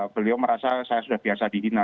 beliau merasa saya sudah biasa dihina